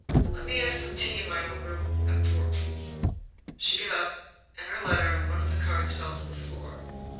Let me have some tea in my own room at four, please." She got up, and her letter and one of the cards fell to the floor.